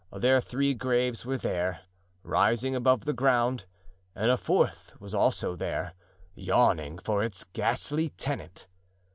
Their three graves were there, rising above the ground, and a fourth was also there, yawning for its ghastly tenant.